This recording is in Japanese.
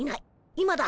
今だ。